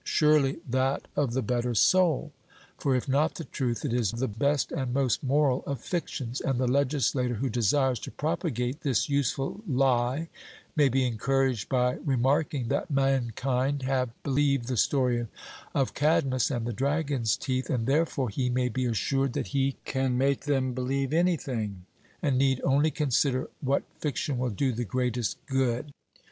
Surely that of the better soul. For if not the truth, it is the best and most moral of fictions; and the legislator who desires to propagate this useful lie, may be encouraged by remarking that mankind have believed the story of Cadmus and the dragon's teeth, and therefore he may be assured that he can make them believe anything, and need only consider what fiction will do the greatest good.